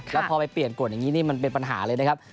แล้วพอไปเปลี่ยนกฎอย่างนี้นี่มันเป็นปัญหาเลยนะครับ